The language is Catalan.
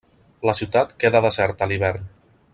La ciutat queda deserta a l'hivern.